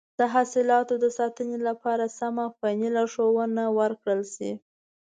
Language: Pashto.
د حاصلاتو د ساتنې لپاره سمه فني لارښوونه ورکړل شي.